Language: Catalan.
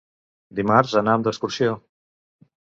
Dimarts anam d'excursió.